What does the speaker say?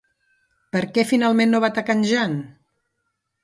Per què finalment no va atacar en Jan?